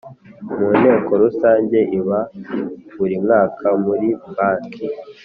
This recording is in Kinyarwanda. Mu Nteko Rusange iba buri mwaka muri banki